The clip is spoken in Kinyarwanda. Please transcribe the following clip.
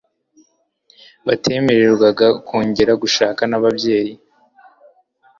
batemererwa kongera gushaka nababyeyi